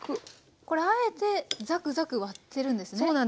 これあえてザクザク割ってるんですね？